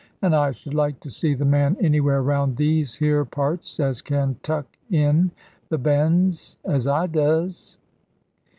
And I should like to see the man anywhere round these here parts, as can tuck in the bends as I does."